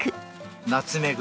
ナツメグ。